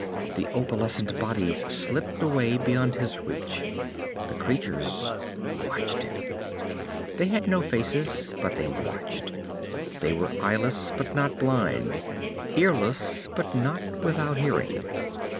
The opalescent bodies slipped away beyond his reach. The creatures watched him. They had no faces, but they watched. They were eyeless but not blind, earless, but not without hearing.